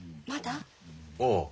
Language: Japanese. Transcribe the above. ああ。